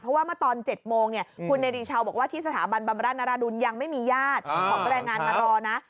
เพราะว่าเมื่อตอน๗โมงเนี่ยคุณเนริชาวบอกว่าที่สถาบันบำราชนราดุลยังไม่มีญาติของแรงงานมารอนะ